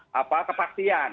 itu tidak ada kepastian